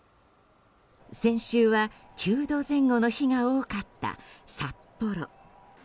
先週は９度前後の日が多かった札幌。